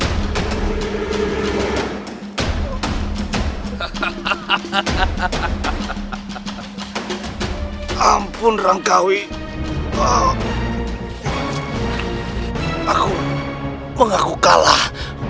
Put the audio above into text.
hahaha ampun rangkawi wow aku mengaku kalah